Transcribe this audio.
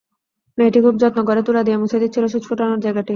মেয়েটি খুব যত্ন করে তুলা দিয়ে মুছে দিচ্ছিল সুচ ফোটানোর জায়গাটি।